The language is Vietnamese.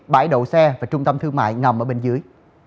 bãi đậu xe và trung tâm thương mại nằm ở bên dưới